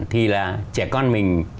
thì là trẻ con mình